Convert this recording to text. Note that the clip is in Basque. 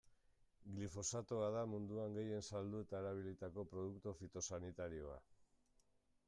Glifosatoa da munduan gehien saldu eta erabilitako produktu fitosanitarioa.